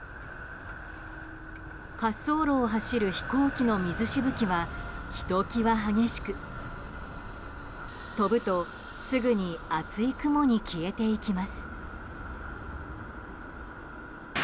滑走路を走る飛行機の水しぶきはひときわ激しく飛ぶと、すぐに厚い雲に消えていきます。